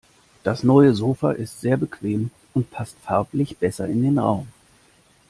Das neue Sofa ist sehr bequem und passt farblich besser in den Raum.